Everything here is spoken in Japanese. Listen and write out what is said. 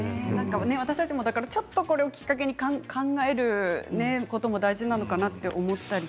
私たちもこれをきっかけに考えることも大事なのかなと思ったり。